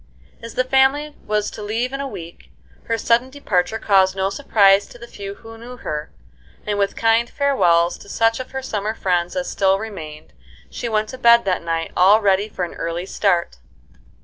As the family was to leave in a week, her sudden departure caused no surprise to the few who knew her, and with kind farewells to such of her summer friends as still remained, she went to bed that night all ready for an early start.